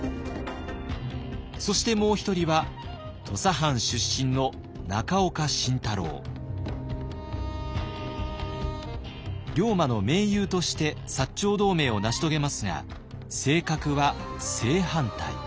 そしてもう一人は土佐藩出身の龍馬の盟友として長同盟を成し遂げますが性格は正反対。